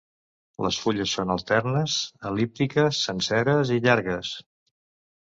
Les fulles són alternes, el·líptiques, senceres i llargues.